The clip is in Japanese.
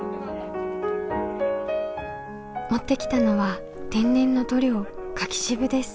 持ってきたのは天然の塗料柿渋です。